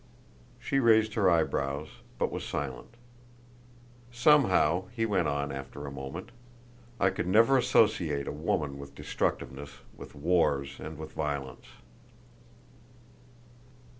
She raised her eyebrows, but was silent. "Somehow," he went on after a moment, "I could never associate a woman with destructiveness, with wars and with violence."